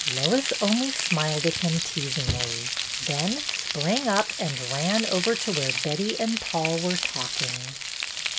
Lois only smiled at him teasingly, then sprang up and ran over to where Betty and Paul were talking.